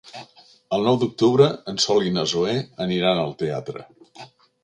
El nou d'octubre en Sol i na Zoè aniran al teatre.